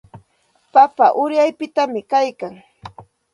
Papa ayrumpiyuqñami kaykan.